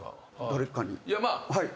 誰かに。